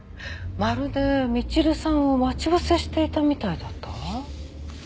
まるでみちるさんを待ち伏せしていたみたいだったわ。